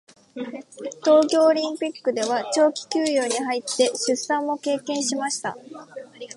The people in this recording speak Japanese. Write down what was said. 東京オリンピックでは長期休養に入って出産も経験しました。